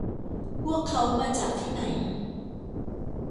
พวกเค้ามาจากที่ไหน